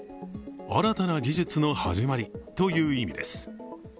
新たな技術の始まりという意味です。